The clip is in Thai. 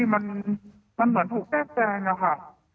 มันเหมือนถูกแจ้งนะคะ